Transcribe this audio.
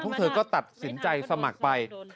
พวกเธอก็ตัดสินใจสมัครไป